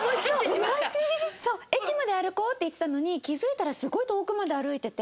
「駅まで歩こう」って言ってたのに気付いたらすごい遠くまで歩いてて。